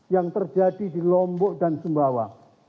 yang terjadi di lombok dan sumbawa